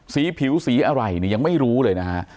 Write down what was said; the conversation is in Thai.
สีผิวสีอะไรเนี่ยยังไม่รู้เลยนะฮะ